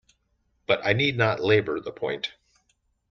But I need not labour the point.